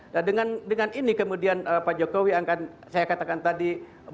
nah dengan ini kemudian pak jokowi akan saya katakan tadi